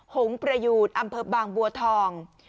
หงประยูนอำเภอบางบัวทอง